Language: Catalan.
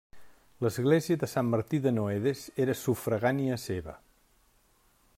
L'església de Sant Martí de Noedes era sufragània seva.